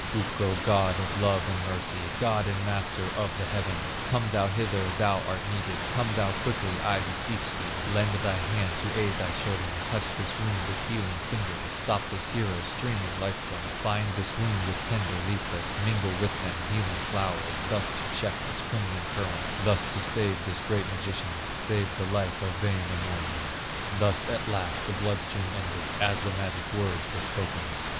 "Ukko, God of love and mercy, God and Master of the heavens, Come thou hither, thou art needed, Come thou quickly I beseech thee, Lend thy hand to aid thy children, Touch this wound with healing fingers, Stop this hero's streaming life blood, Bind this wound with tender leaflets, Mingle with them healing flowers, Thus to check this crimson current, Thus to save this great magician, Save the life of Wainamoinen." Thus at last the blood stream ended, As the magic words were spoken.